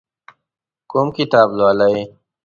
کوم کتاب لولئ؟